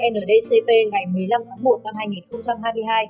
ndcp ngày một mươi năm tháng một năm hai nghìn hai mươi hai